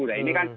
nah ini kan